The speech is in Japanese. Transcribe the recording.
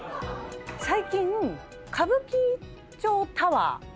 最近歌舞伎町タワー。